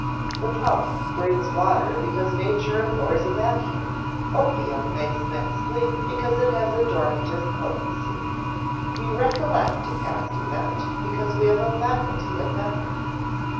The pump brings water because nature abhors a vacuum; opium makes men sleep because it has a dormitive potency; we recollect a past event because we have a faculty of memory.